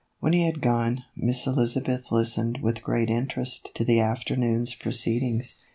When he had gone, Miss Elizabeth listened with great interest to the afternoon's proceedings.